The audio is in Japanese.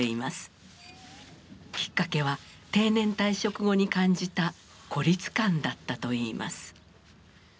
きっかけは定年退職後に感じた孤立感だったと言います。